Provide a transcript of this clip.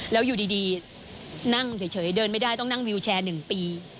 แล้วอยู่ดีนั่งเฉยเดินไม่ได้ต้องนั่งวิวแชร์๑ปี